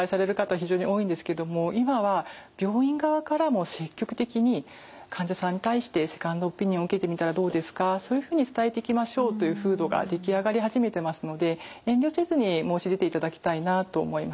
非常に多いんですけども今は病院側からも積極的に患者さんに対してセカンドオピニオン受けてみたらどうですかそういうふうに伝えていきましょうという風土が出来上がり始めてますので遠慮せずに申し出ていただきたいなと思います。